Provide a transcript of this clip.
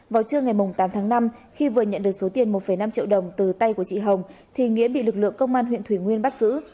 vào trưa ngày tám tháng năm khi vừa nhận được số tiền một năm triệu đồng từ tay của chị hồng thì nghĩa bị lực lượng công an huyện thủy nguyên bắt giữ